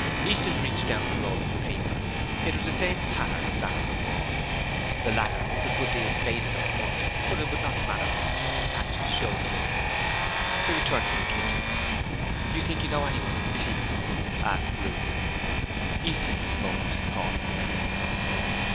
Easton reached down the roll of paper. It was the same pattern as that on the wall. The latter was a good deal faded, of course, but it would not matter much if the patches showed a little. They returned to the kitchen. 'Do you think you know anyone who would take it?' asked Ruth. Easton smoked thoughtfully.